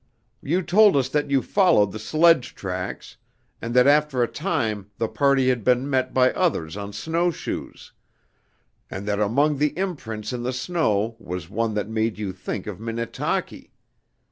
You told us that you followed the sledge tracks, and that after a time the party had been met by others on snow shoes, and that among the imprints in the snow was one that made you think of Minnetaki.